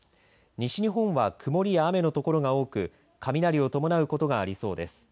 西日本は曇りや雨の所が多く雷を伴うことがありそうです。